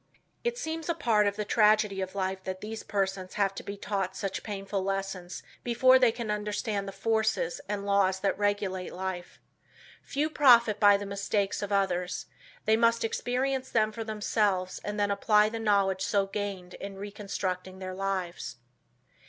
It seems a part of the tragedy of life that these persons have to be taught such painful lessons before they can understand the forces and laws that regulate life. Few profit by the mistakes of others. They must experience them for themselves and then apply the knowledge so gained in reconstructing their lives.